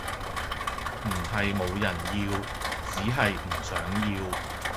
唔係無人要，只係唔想要